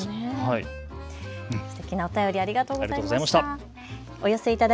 すてきなお便り、ありがとうございました。